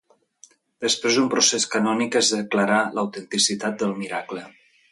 Després d'un procés canònic es declarà l'autenticitat del miracle.